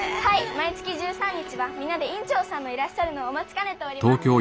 毎月１３日は皆で院長さんのいらっしゃるのを待ちかねております。